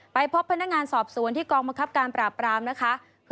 พบพนักงานสอบสวนที่กองบังคับการปราบรามนะคะ